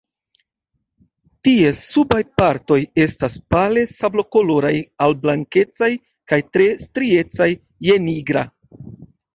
Ties subaj partoj estas pale sablokoloraj al blankecaj kaj tre striecaj je nigra.